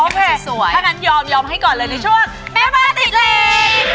โอเคถ้างั้นยอมให้ก่อนเลยในช่วงแม่บ้านติดเรท